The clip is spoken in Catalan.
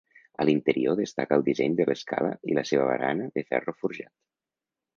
A l'interior destaca el disseny de l'escala i la seva barana de ferro forjat.